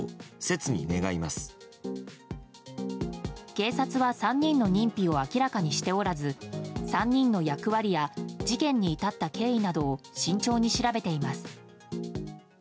警察は３人の認否を明らかにしておらず３人の役割や事件に至った経緯などを慎重に調べています。